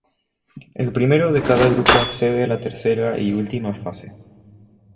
El primero de cada grupo accede a la tercera y última fase.